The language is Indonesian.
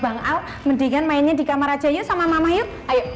bang al mendingan mainnya di kamar aja yuk sama mama yuk